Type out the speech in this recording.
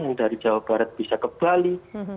yang dari jawa barat bisa ke bali